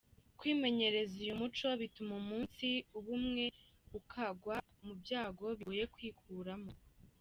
Kwimenyereza uyu muco bituma umunsi uba umwe ukagwa mu byago bigoye kwikuramo.